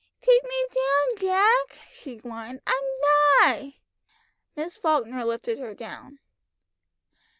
"Take me down, Jack," she whined; "I'm thy!" Miss Falkner lifted her down.